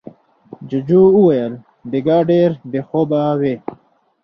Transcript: جوجو وويل: بېګا ډېر بې خوبه وې.